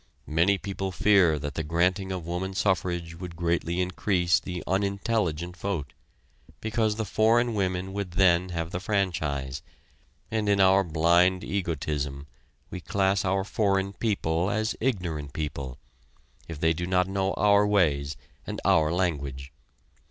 Many people fear that the granting of woman suffrage would greatly increase the unintelligent vote, because the foreign women would then have the franchise, and in our blind egotism we class our foreign people as ignorant people, if they do not know our ways and our language.